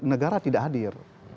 negara tidak hadir